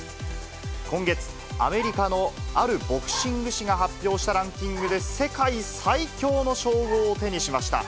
今月、アメリカのあるボクシング誌が発表したランキングで、世界最強の称号を手にしました。